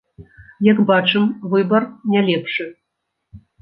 Як бачым, выбар не лепшы.